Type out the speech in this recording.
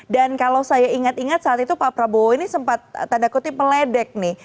dan kalau saya ingat ingat saat itu pak prabowo ini sempat tanda kutip meledek nih